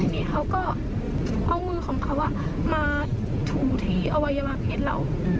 นี่เขาก็เอามือของเขามาถูที่อวัยวะเพศเรา